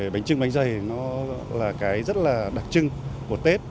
bánh trưng bánh dày nó là cái rất là đặc trưng của tết